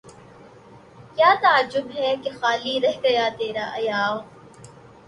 کیا تعجب ہے کہ خالی رہ گیا تیرا ایاغ